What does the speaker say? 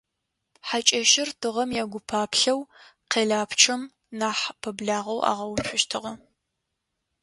Хьакӏэщыр тыгъэм егупаплъэу къэлапчъэм нахь пэблагъэу агъэуцущтыгъэ.